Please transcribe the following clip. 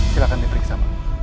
silahkan diperiksa pak